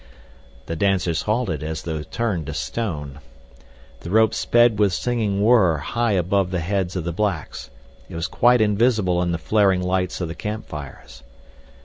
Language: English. The dancers halted as though turned to stone. The rope sped with singing whir high above the heads of the blacks. It was quite invisible in the flaring lights of the camp fires.